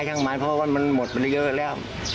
ไม่ใช่มายพ่อบ้านมันหมดไปเรื่อยแล้ว